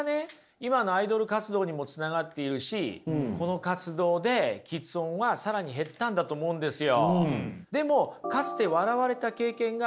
今のアイドル活動にもつながっているしこの活動できつ音は更に減ったんだと思うんですよ。